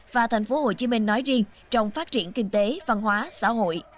và tp hcm nói riêng trong phát triển kinh tế văn hóa xã hội